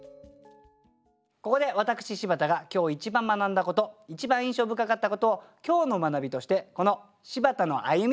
ここで私柴田が今日一番学んだこと一番印象深かったことを今日の学びとしてこの「柴田の歩み」